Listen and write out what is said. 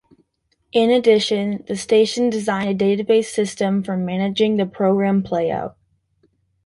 In addition, the station designed a database system for managing the program playout.